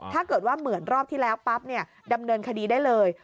ถ้าเกิดว่าเหมือนรอบที่แล้วปั๊บเนี่ยดำเนินคดีได้เลย